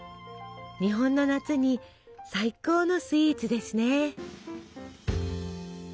日本の夏に最高のスイーツですね！